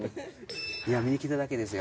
今見にきただけですよ。